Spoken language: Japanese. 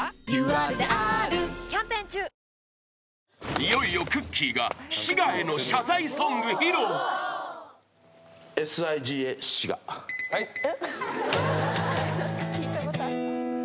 いよいよくっきー！が滋賀への謝罪ソング披露はい！？えっ！？